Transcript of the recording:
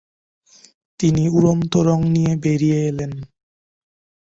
তিনি উড়ন্ত রঙ নিয়ে বেরিয়ে এলেন।